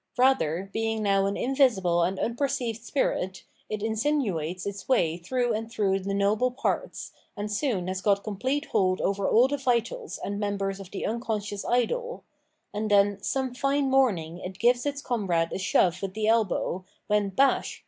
Bather, being now an invisible and unperceived spirit, it insinuates its way through and through the noble parts, and soon has got complete hold over ab the vitals and members of the unconscious idol ; and then " some fine morning it gives its comrade a shove with the elbow, when, bash